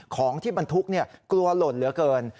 ของที่บรรทุกกลัวหล่นเหลือเกิน